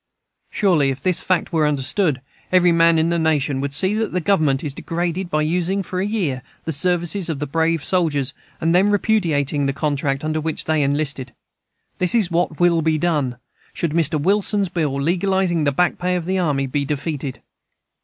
Surely, if this fact were understood, every man in the nation would see that the Government is degraded by using for a year the services of the brave soldiers, and then repudiating the contract under which they were enlisted. This is what will be done, should Mr. Wilson's bill, legalizing the back pay of the army, be defeated.